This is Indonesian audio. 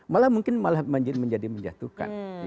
malah mungkin malah menjadi menjatuhkan